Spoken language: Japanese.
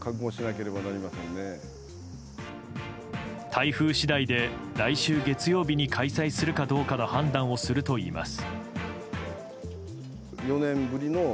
台風次第で、来週月曜日に開催するかどうかの判断をするといいます。